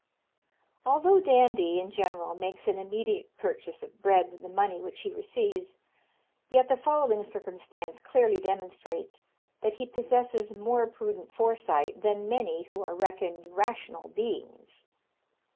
"Although Dandie, in general, makes an immediate purchase of bread with the money which he receives, yet the following circumstance clearly demonstrates that he possesses more prudent foresight than many who are reckoned rational beings.